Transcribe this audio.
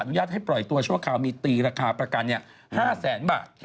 ญาตให้ปล่อยตัวชั่วคราวมีตีราคาประกัน๕แสนบาท